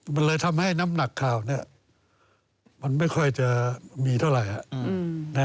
มันเลยทำให้น้ำหนักข่าวมันไม่ค่อยจะมีเท่าไหร่